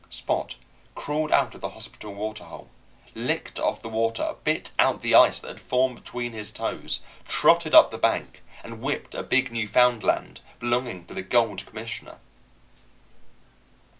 Spot crawled out of the hospital water hole, licked off the water, bit out the ice that had formed between his toes, trotted up the bank, and whipped a big Newfoundland belonging to the Gold Commissioner.